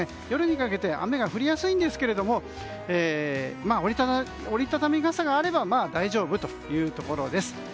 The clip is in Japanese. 夜にかけて雨が降りやすいんですが折り畳み傘があれば大丈夫というところです。